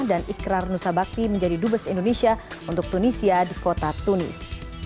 dan ikrar nusabakti menjadi dubes indonesia untuk tunisia di kota tunis